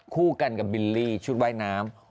คู่กันกับบิลลี่ชุดว่ายน้ำ